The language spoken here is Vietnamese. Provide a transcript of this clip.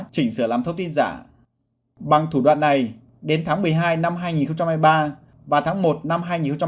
chỉnh sửa làm thông tin giả bằng thủ đoạn này đến tháng một mươi hai năm hai nghìn hai mươi ba và tháng một năm hai nghìn hai mươi bốn